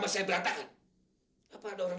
pembunuhnya satu orang